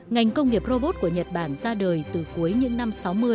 ngành công nghiệp robot của nhật bản ra đời từ cuối những năm sáu mươi